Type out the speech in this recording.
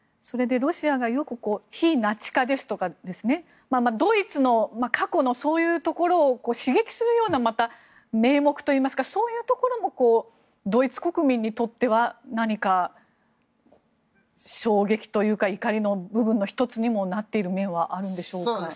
それでロシアがよく非ナチ化ですとかドイツの過去のそういうところを刺激するようなまた名目といいますかそういうところもドイツ国民にとっては何か、衝撃というか怒りの部分の１つにもなっている面はあるんでしょうか。